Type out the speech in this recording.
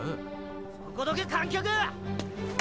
・そこどけ観客ゥ！